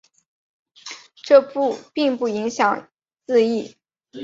这并不影响字义。